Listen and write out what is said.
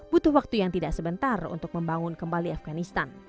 butuh waktu yang tidak sebentar untuk membangun kembali afganistan